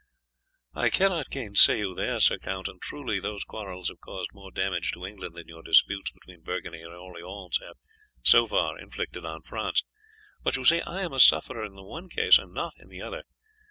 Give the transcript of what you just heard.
"I cannot gainsay you there, Sir Count, and truly those quarrels have caused more damage to England than your disputes between Burgundy and Orleans have, so far, inflicted on France; but you see I am a sufferer in the one case and not in the other.